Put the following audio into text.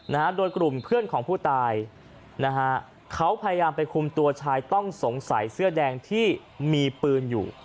นะฮะโดยกลุ่มเพื่อนของผู้ตายนะฮะเขาพยายามไปคุมตัวชายต้องสงสัยเสื้อแดงที่มีปืนอยู่